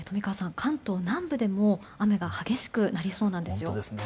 関東南部でも雨が激しくなりそうなんですよ。